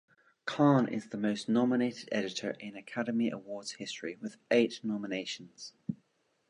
Kahn is the most-nominated editor in Academy Awards history with eight nominations.